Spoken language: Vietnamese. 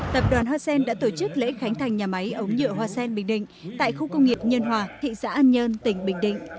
tập đoàn hoa sen đã tổ chức lễ khánh thành nhà máy ống nhựa hoa sen bình định tại khu công nghiệp nhân hòa thị xã an nhơn tỉnh bình định